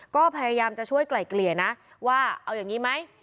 ก็พยายามจะช่วยไกล่เกลี่ยนะว่าเอาอย่างนี้ไหม